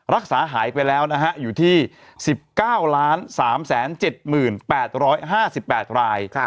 รักษาหายไปแล้วนะฮะอยู่ที่๑๙๓๗๘๕๘ราย